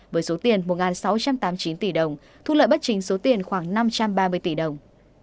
với số tiền một sáu trăm tám mươi chín tỷ đồng thu lợi bất chính số tiền khoảng năm trăm ba mươi tỷ đồng